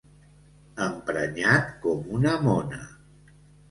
Emprenyat com una mona.